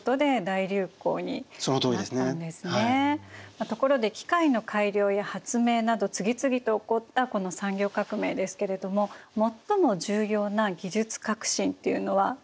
まあところで機械の改良や発明など次々と起こったこの産業革命ですけれども最も重要な技術革新っていうのは何だったんですか？